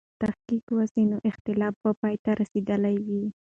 که تحقیق و سوای، نو اختلاف به پای ته رسېدلی وای.